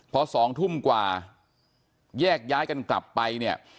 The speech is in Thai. พอ๒ทุ่มกว่าแยกย้ายกันกลับไปเนี่ย